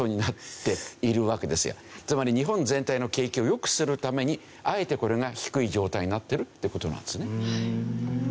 つまり日本全体の景気を良くするためにあえてこれが低い状態になってるっていう事なんですね。